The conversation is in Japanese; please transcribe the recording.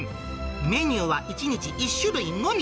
メニューは１日１種類のみ。